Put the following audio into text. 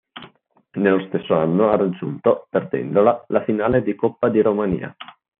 Nello stesso anno ha raggiunto, perdendola, la finale di Coppa di Romania.